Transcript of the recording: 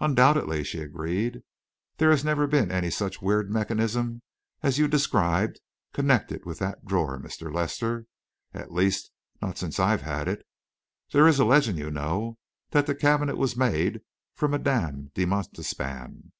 "Undoubtedly," she agreed. "There has never been any such weird mechanism as you described connected with that drawer, Mr. Lester. At least, not since I have had it. There is a legend, you know, that the cabinet was made for Madame de Montespan."